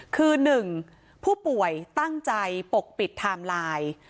คือ๑ผู้ป่วยตั้งใจปกปิดไทม์ไลน์